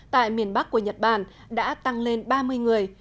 tại miền bắc của nhật bản đã tăng lên ba mươi người